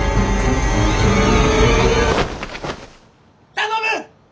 頼む！